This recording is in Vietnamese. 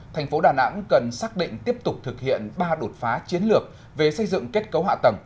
thành phố đà nẵng cần xác định tiếp tục thực hiện ba đột phá chiến lược về xây dựng kết cấu hạ tầng